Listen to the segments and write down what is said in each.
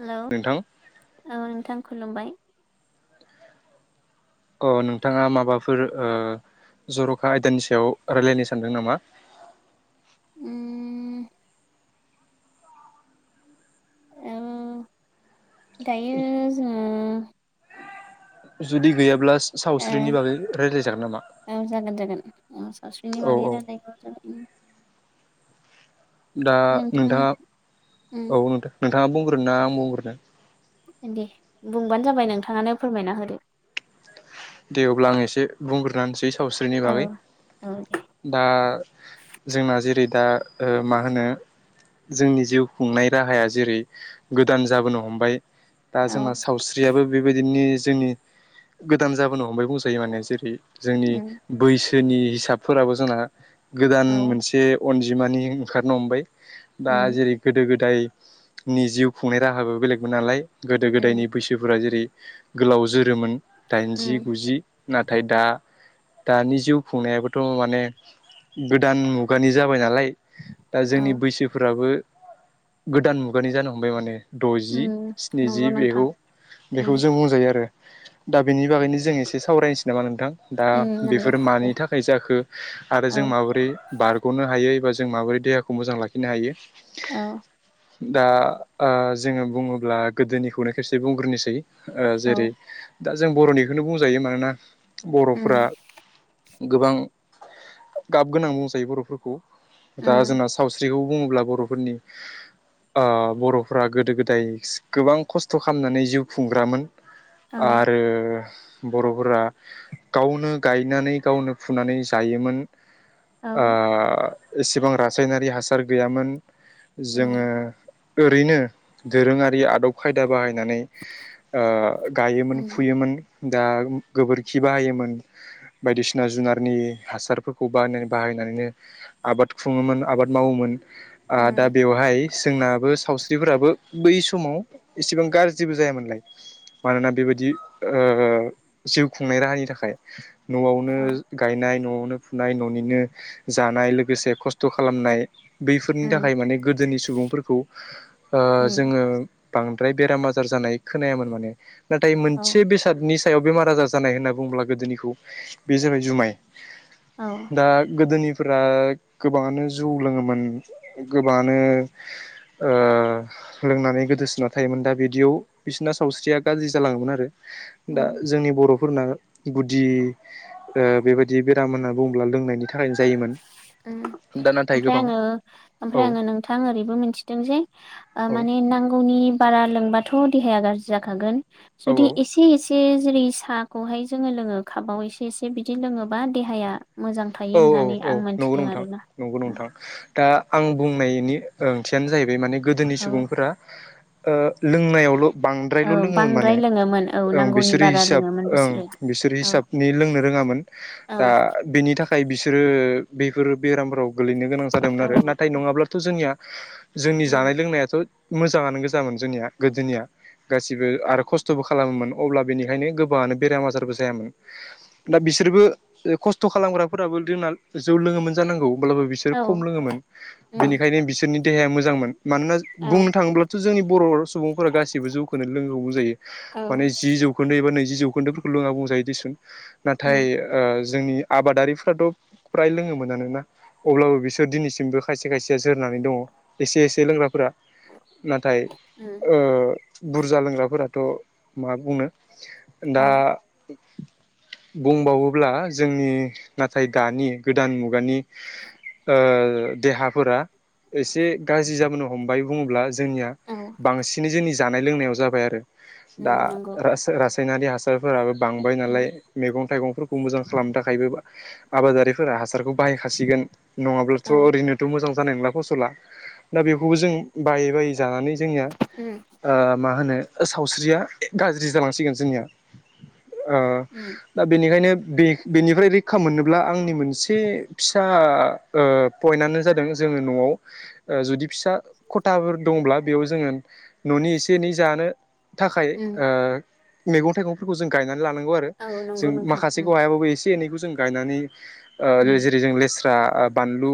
Hello नोंथां औ नोंथां खुलुमबाय अ नोंथांङा माबाफोर ओ जर'खा आयदानि सायाव रायलायनो सानदों नामा? उम ओ दायो जों जुदि गैयाब्ला ओ सावस्रिनि बागै रायज्लाय जागोन नामा अ औ स्रिनिबागै औ रायलाय बाबो जागोन उम दा नोंथां नोंथांङा उम औ नोंथ नोंथांङा बुंग्रोनो ना आं बुंग्रोनो दे बुंबानो जाबाय नोंथांङानो फोरमायना होदो दे अब्ला आं एसे बुंग्रोहोनोसै सावस्रिनि औ बागै औ दे दा जोंना जेरै दा ओ माहोनो जोंनि जिउ खुंनाय राहाया जेरै गोदान जाबोनो हमबाय दा औ जोंना सावस्रियाबो बेबायदिनि जोंनि गो दान जाबोनो हमबाय बुंजायो माने जेरै जोंनि उम बैसोनि हिसाबफोराबो जोंना गोदान औ मोनसे अनजिमानि ओंखारनो हमबाय दा उम जेरै गोदो गोद दायनि जिउ खुंनाय राहाबो बेलेगमोन नालाय गोदो गोदायनि उम बैसोफोरा जेरै गोलाव जोरोमोन दाइनजि उम गुजि नाथाय दा दानि जिउ खुंनायाबोथ' माने गोदान मुगानि जाबाय नालाय दा औ जोंनि बैसोफोराबो गोदान मुगानि जानो हमबाय माने द'जि उम नंगौ स्निजि नोंथां बेखौ उम बेखौ जों बुंजायो आरो बे बागदिनो जों एसे सावरायनोसै नामा नोंथां दा उम नंगौ बेफोरो दे मानि थाखाय जाखो आरो औ जों माबोरै बारग'नो हायो एबा जों माबोरै देहाखौ मोजां लाखिनो हायो औ। दा ओ जोङो बुङोब्ला गोदोनिखौनो खायसे बुंग्रोनोसै औ जेरै दा जों बर'निखौनो बुंजायो मानोना उम बर'फोरा गोबां गाब गोनां बुंजायो बर'फोरखौ दा उम जोंना सावस्रि खौ बुङोब्ला बर'फोरनि ओ बर'फोरा गोदो गोदाय गोबां खस्थ' खालामनानै जिउ खुंग्रामोन। औ आरो बर'फोरा गावनो गायनानै गावनो फुनानै जायोमोन। ओ औ एसेबां रासायनारि हासार गैयामोन जोङो उम ओरैनो दोरोङारि आदब खायदा बाहायनो नानै ओ गायोमोन उम फुयोमोन। दा गोबोरखि बाहायोमोन बायदिसिना जुनारनि हासारफोरखौ बानै बाहायनानैनो आबाद खुङोमोन आबाद मावोमोन ओ दा उम बेवहाय जोंनाबो सावस्रिफोराबो बै समाव एसेबां गाज्रिबो जायामोनलाय मानोना बेबायदि ओ जिउ खुंनाय राहानि थाखाय। न'आवनो औ गायनाय न'आवनो फुनाय न'निनो जानाय लोगोसे खस्थ' खालामनाय बैफोरनि उम थाखाय माने गोदोनि सुबुंफोरखौ ओ उम जोङो बां द्राय बेराम आजार जानाय खोनायामोन माने नाथाय औ मोनसे बेसादनि सायाव बेमार आजार जानाय होनना बुंब्ला गोदोनिखौ बे जाबाय जुमाय। औ दा गोदोनि फोर गोबाङानो जौ लोङोमोन गोबाङानो लोंनानै गोदोसिोना थायोमोन दा बिदियाव बिसोरना सावस्रिया गाज्रि जालाङोमोन आरो दा उम जोंनि बर' फोरना गुदि बेबायदि बेराम होननानै बुङोब्ला लोंनायनि होयोमोन उम दा नाथाय ओमफ्राय गोबां आङो औ ओमफ्राय आङो नोंथां ओरैबो मिथिदों जे औ माने नांगौनि बार बारा लोंब्लाथ' देहाया गाज्रि जानांगोन औ जुदि एसे एसे जेरै साहाखौहाय जोङो लोङो खाबाव एसे एसे बिदि लोङोबा देहाया मोजां औ थायो औ होननानै औ आं नंगौ मोनथिदों नोंथां आरोना नंगौ नोंथां। दा आं बुंनायनि ओंथियानो जाहैबाय माने गोदोनि औ सुबुंफोरा ओ लोंनायावल' बांद्रायल' औ लोङोमोन बांद्राय माने लोङोमोन औ ओं नांगौनि बिसोर बारा हिसाब लोङोमोन ओं बिसोरो बिसोर औ हिसाबनि लोंनो रोङा मोन औ दा बेनि थाखाय बिसो रो बेफोर बेरामफोराव गोलैनो गोनां जादोंमोन औ आरो नाथाय नङाब्लाथ' जोंनिया जोंनि उम जानाय लोंनायाथ' मोजाङानो गोजामोन जोंनिया गोदोनिया गासिबो आरो खस्थ'बो खालामोमोन अब्ला बेनिखायनो गोबाङानो बेराम आजारबो जायामोन दा बि सोरबो खस्थ' खालामग्रा फोराबो लोंना जौ लोङोमोन जानांगौ अब्लाबो बिसोर औ खम लोङोमोन उम बिनिखायनो बिसोरनि देहाया मोजांमोन मानोना औ बुंनो थाङोब्लाथ' जोंनि बर' सुबुंफोरा गासिबो जौखौ लोंओ बुंजायो औ माने जि जौखोन्दो एबा नै जौ खोनदो फोरखौ लोङा बुंजायोदि नाथाय उम ओ जोंनि थ' फ्राय लोङोमोनानो ना अब्लाबो बिसोर दिनैसिमबो खायसे खायसेया जोरनानै दङ एसे एसे लोंग्राफोरा नाथाय उम ओ बुरजा लोंग्राफोराथ' मा बुंनो औ दा बुंबावोब्ला जोंनि नाथाय दानि गोदान मुगानि ओ देहाफोरा एसे गाज्रि जाबोनो हमबाय बुङोब्ला जोंनिया औ बांसिनै जोंनि जानाय लोंनायाव जाबाय आरो उम दा नंगौ रासो रासो रासायनारि हासारफोराबो बांबाय उम नालाय मैगं थाइगंफोरखौ मोजां खालामनो थाखायबो आबादारि फोरा हासारखौ बाहायखासिगोन नङाब्लाथ' औ ओरैनोथ' मोजां जानाय नंला फसला दा बेखौबो जों बायै बायै- जानानै जोंनिया उम ओ मा होनो सावस्रिया गाज्रि जालांसिगोन जोंनिया उम दा ओ बेनिखायनो बेक बेनिफ्राय रै खा मोननोब्ला आंनि मोनसे फिसा ओ पइन्टआनो जादों जोङो न'आव ओ जुदि फिसा खथाफोर दंब्ला बेयाव जोङो न'नि एसे एनै जानो थाखाय उम ओ मैगं थाइगंफोरखौ जों गायना लानांगौ आरो औ जों नंगौ नोंथां माखासेखौ उम हायाबा एसे एनैखौजों गायनानै ओ रेजें रेजें लेस फ्रा बानलु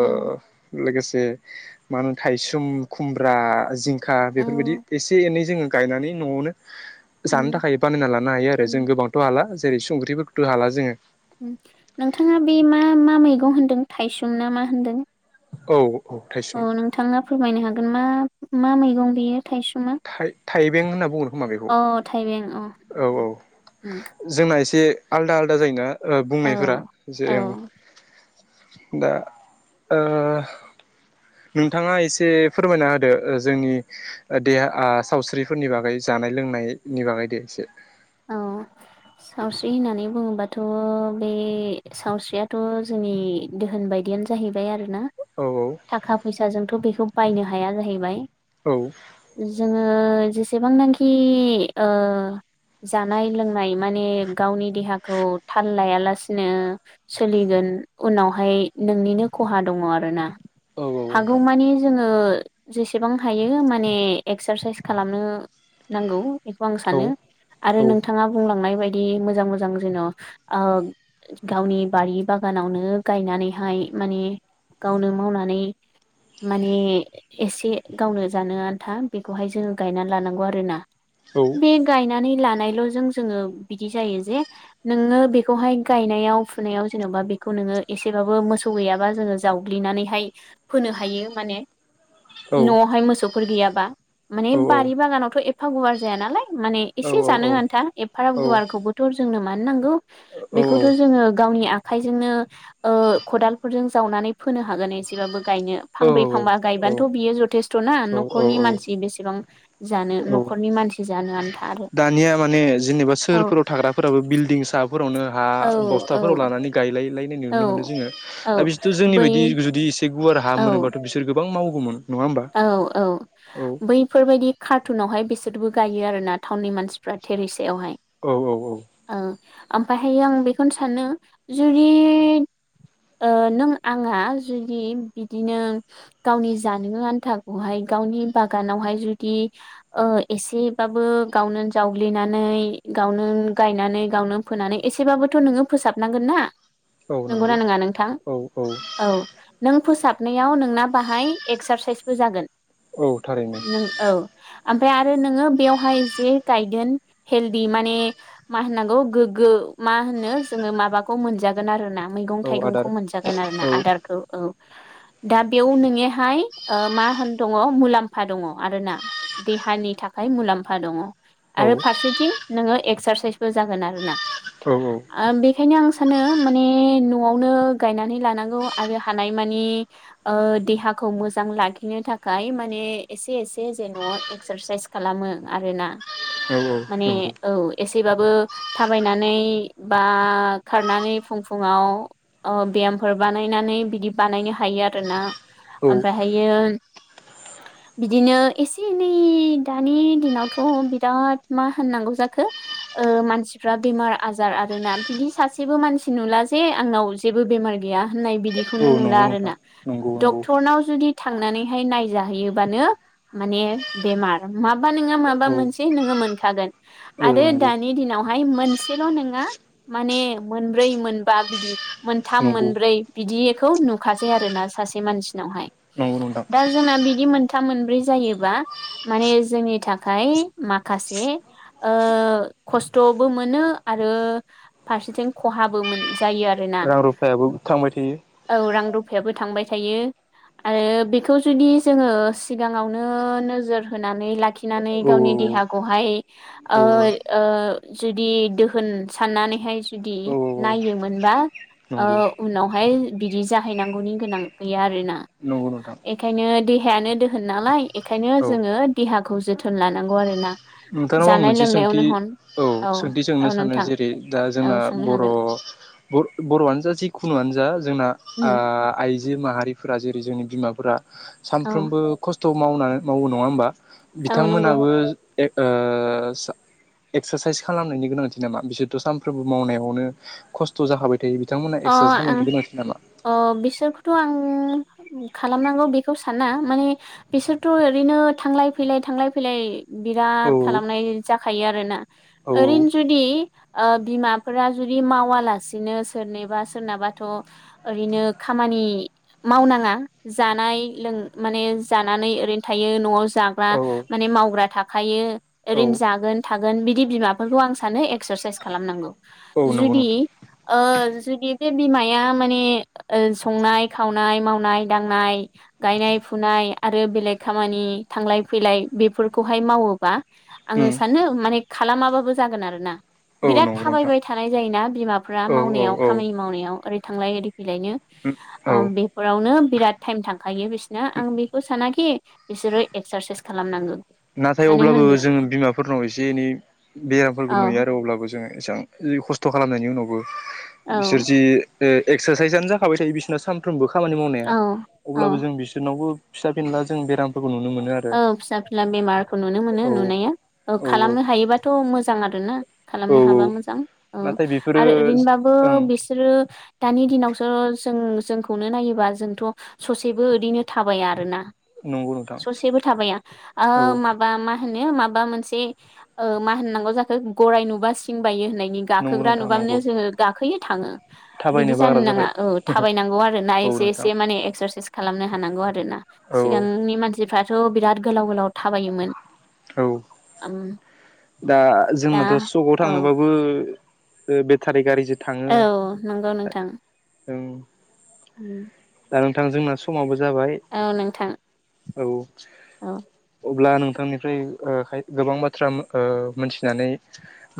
औ लोगोसे जे माहोनो थाइसुम खुमब्रा जिंखा बेफोरबायदि उम एसे एनै जोङो गायनानै न'आवनो जानो थाखाय बानायना लानो हायो आरो जों उम गोबांथ' हाला जेरै संख्रिफोरखौथ' हाला जोङो । नोंथाङा बे मा मा मैगं होन्दों थाइसुम ना मा होनदों? औ औ नोंथाङा फोरमायनो हागोन मा मा मैगं बेयो थाइसुमा? थाइबें होनना बुंगोन खोमा बेखौ अ औ उम औ जोंना एसे आलदा आलदा जायोना ओ औ बुंनायफोरा जे औ ओं दा ओ नोंथाङा एसे फोरमायना होदो ओ जोंनि देहा सावस्रिफोरनि बागै जानाय लोंनायनि बागै देएसे औ सावस्रि होननानै बुङोबाथ' बे सावस्रियाथ' जोंनि दोहोन बायदियानो जाहैबाय आरो ना औ थाखा फैसाजोंथ' बेखौ बायनो हाया जाहैबाय। औ ओ जेसेबांनाखि ओ जानाय लोंनाय माने गावनि देहाखौ थाल लायालासिनो सोलिगोन उनावहाय नोंनिनो खहा दङ आरोना औ नोंथां हागौमानि जोङो जेसेबां हायो माने एक्सारसाइस खालामनो नांगौ बेखौ आं औ सानो। आरो नोंथाङा बुं लांनाय बायदि मोजां मोजां जेन' ओ गावनि बारि बागानावनो गायनानै [unintelligible] हाय माने गावनो मावनानै माने एसे गावनो जानो आन्था बेखौहाय जोङो गायना लानांगौ आरोना। औ बे गायनानै लानायलजों जोंङो बिदि जायो जे नोङो बेखौहाय गायनायाव फुनायाव जेनब बा बेखौ नोङो एसेबाबो मोसौ गैयाबा जोङो जावग्लिनानैहाय फोनो हायो माने न'आवहाय मोसौफोर गैयाबा माने औ बारि बागानावथ' एफा गुवार जाया नालाय माने औ एसे औ जानो आन्था एफाराब गुवारखौबोथ' जोंनो मानो नांगौ? बेखौथ' औ जोङो गावनि आं खायजोंनो ओ खदालफोरजों जावनानै फोनो हागोन एसेबाबो। गायनो औ फांब्रै फांबा गायबानोथ' बियो जथेस्थ' ना औ न'खरनि औ मानसि बेसेबां जानो औ न'खरनि मानसि जानो आन्था आरो दानिया माने जेनेबा औ सोहोरफोराव थाग्राफोराबो बिल्डिं सा फोरावनो हा औ बस्थाफोराव औ लानानै गायलायलाय नायनाय औ नुनो मोनो जोङो औ दा बिसोरथ' जोंनि बै बायदि जुदि एसे गुवार हा औ मोनोबाथ' बिसोर गोबां मावगौमोन। नङा होमबा औ औ औ बैफोरबायदि खा रटुनावहाय बिसोरबो गायो आरोना टाउननि मानसिफ्रा थेरिसायावहाय औ औ ओ ओमफायहायो आं बेखौनो सानो जुदि ओ नों आंहा जुदि बिदिनो गावनि जानोनो आन थाखौहाय गावनि बागानावहाय जुदि ओ एसेबाबो गावनो जावग्लिनानै गावनो गायनानै गावनो फोनानै एसेबाबोथ' नोङो फोसाबनांगोन ना। औ नंगौना नंगौ नोङा नोंथां? औ नों फोसाब नायाव नोंना बाहाय एक्सारसाइसबो जागोन औ थारैनो नों औ। ओमफ्राय आरो नोङो बेयावहाय जे गायगोन हेल्दि माने मा होननांगौ गोगो मा होनो जोङो माबाखौ मोनजागोन आरोना। मैगं औ आदार थाइगंखौ मोनजागोन आरोना औ आदारखौ औ। दा बेयाव नोङोहाय ओ मा होन दङ मुलाम्फा दङ आरोना देहानि थाखाय मुलाम्फा दङ। औ आरो फारसेथिं नोङो एक्सारसाइसबो जागोन आरोना। औ ओम बेखायनो आं सान सानो माने न'आवनो गायनानै लानांगौ आरो हानाय मानि देहाखौ मो जां लाखिनो थाखाय माने एसे एसे जेन' एक्सारसाइस खालामो आरोना। औ माने नंगौ औ एसेबाबो थाबायनानै बा खारनानै फुं फुङाव अ बेयामफोर बानायनानै बिदि बानायनो हायो आरोना। औ बेहायो बिदिनो एसे एनै दानि दिनावथ' बिराद मा होननांगौ जाखो ओ मानसिफ्रा बेमार आजार आरोना बिदि सासेबो मानसि नुला जे आंनाव जेबो बेमार गैया होननाय बिदिखौनो औ नुला नंगौ नोंथां आरोना। नंगौ नंगौ डक्टरनाव जुदि थांनानैहाय नायजाहैयोबानो माने बेमार माबा नोङा माबा औ मोनसे नोङो मोनखागोन। औ आरो नंगौ दानि दिनावहाय मोनसेल' नोंङा माने मोनब्रै मोनबा बिदि मोन्थाम नंगौ मोनब्रै बिदिखौ नुखासै आरोना सासे मानसिनावहाय। नंगौ नोंथां। दा जोंना बिदि मोन्थाम मोनब्रै जायोबा माने जोंनि थाखाय माखासे ओ खस्थ'बो मोनो आरो फारसेथिं खहाबो मोन जायो आरोना। रां रुफायाबो थांबाय थायो औ रां रुफायाबो थांबाय थायो। आरो बेखौ जुदि जोङो सिगाङावनो नोजोर होनानै लाखि नानै औ गावनि देहाखौहाय ओ औ ओ जुदि दोहोन साननानैहाय जुदि औ औ नायोमोनबा दा नंगौ ओ उनावहाय बिदि जाहैनांगौनि गोनां गैया आरोना। नंगौ नोंथां। ओंखायनो देहायानो दोहोन नालाय ओखायनो औ जोङो देहाखौ जोथोन लानांगौ आरोना। नोंथांनाव आं जानाय मोनसे लोंनायावनो सोंथि हन औ सोंथि सोंनो औ सानो नोंथां जेरै दा औ जोंना सोंनो बर' हागोन बर' बर'आनो जा जिखुनुआनो जा जोंना ओ आइजो माहारि फोरा जेरै जोंनि बिमाफोरा औ सानफ्रोमबो खस्थ' मावना मावो नङा होमबा? औ नंगौ बिथांमोनाबो एक ओ सा एक्सारसाइस खालामनायनि गोनांथि नामा बिसोरथ' सानफ्रोमबो मावनायावनो खस्थ' जाखाबाय थायो बिथांमोना अ एक्सारसाइस खालामनायनि गोनांथि नामा? थ' आङो खालामनांगौ बेखौ साना माने बिसोरथ' ओरैनो थांलाय फैलाय थांलाय फैलाय औ बिराद खालामनाय जाखायो आरोना। औ ओरैनो जुदि ओ बिमाफोरा जुदि मावालासिनो सोरनिबा सोरनाबाथ' ओरैनो खामानि मावनाङा जानाय लों माने जानानै ओरैनो थायो न'आव जाग्रा औ माने मावग्रा थाखायो औ ओरैनो जा गोन‌ थागोन बिदि बिमा बिफाखौ आं सानो एक्सारसाइस खालामनांगौ। औ नंगौ जुदि नोंथां ओ जुदि बे बिमाया माने ओ संनाय खावनाय मावनाय दांनाय गाय नाय फुनाय आरो बेलेग खामानि थांलाय फैलाय बेफोरखौहाय मावोबा आङो सा नो माने खालामाबाबो जागोन आरोना। औ बिराद नंगौ नोंथां थाबायबाय थानाय जायोना बिमाफ्रा औ औ मावनायाव खामानि मावनायाव ओरै थांलाय ओरै फैलायनो औ औ ओम बेफोरावनो बिराद टाइम थांखायो बिसना '' आं बेखौ सानाखि बिसोरो एक्सारसाइस खालामनांगो। नाथाय अब्लाबो जोङो बिमाफोरनाव एसे एनै औ बेयाफोरखौ नुयो आरो अब्लाबो जोङो। एसां खस्थ' खालामनायनि उनावबो औ बिसोर जि ओ एक्सारसाइसआनो जाखाबाय थायो बिसिना सानफ्रोमबो खामानि मावनाया औ औ अब्लाबो जों बिसोरनावबो फिसा फिनला जों बेरामफोरखौ नुनो मोनो आरो। औ फिसा फिला बेमारखौ नुनो मोनो औ नुनाया औ खालामनो हायोबाथ' मोजां आरोना। औ खालामनो हाबा मोजां ओ नाथाय बेफोरो आरो ओरैनोबाबो ओं बिसोरो दानि दिनावसो जों जोंखौनो नायोबा जोंथ' ससेबो ओरैनो थाबाया आरोना। नंगौ नोंथां ससेबो औ थाबायाया माबा मा होनो माबा मोनसे मा होननांगौ जाखो गराइ नुबा सिम बायो होननाय नि नंगौ गाखोग्रा नोंथां नुब्लानो नंगौ जोङो गाखोयो थाङो। बिदि थाबायनो बाग्रा जानो नाङा जाबाय औ थाबायनांगौ आरो ना औ एसे नोंथां एसे माने एक्सारसाइस खालामनो हानांगौ आरो ना। औ सिगांनि मानसिफ्राथ' बिराद गोलाव गोलाव थाबायोमोन। औ आम दा जोंनाथ' सकाव थांनोबाबो बेटारि गारिजो औ नंगौ नोंथां। ओं उम दा नोंथां जोंना समाबो जाबाय औ नोंथां। औ औ अब्ला नोंथांनिफ्रायाय ओ खाय गोबां बाथ्रा मो ओ मिथिनानै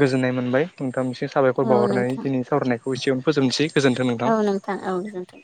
गोजोननाय मोनबाय नोंथांनिसि साबायखर औ बावहरनानै नोंथां दिनै सावरायनायखौ एसेयावनो फोजोबनोसै। औ नोंथां औ गोजोनथों।